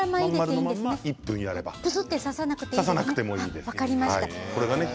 ぷすっと刺さなくてもいいんですね。